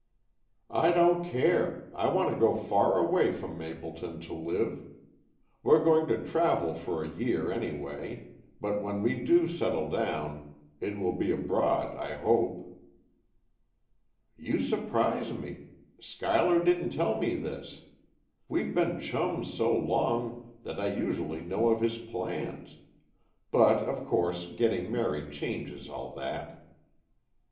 "I don't care. I want to go far away from Mapleton to live. We're going to travel for a year, any way, but when we do settle down, it will be abroad, I hope." "You surprise me. Schuyler didn't tell me this. We've been chums so long, that I usually know of his plans. But, of course, getting married changes all that."